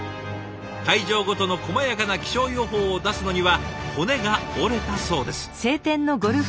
会場ごとのこまやかな気象予報を出すのには骨が折れたそうです。